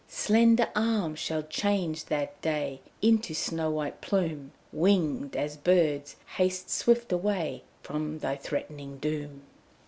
Slender arm shall change that day Into snow white plume; Winged as birds, haste swift away From thy threatening doom!'